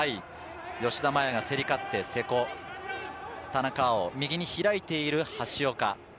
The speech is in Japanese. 吉田麻也が競り勝って瀬古、田中碧、右に開いている橋岡。